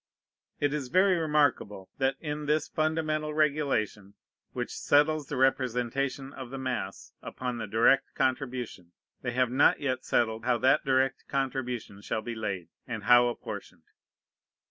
It is very remarkable, that, in this fundamental regulation which settles the representation of the mass upon the direct contribution, they have not yet settled how that direct contribution shall be laid, and how apportioned.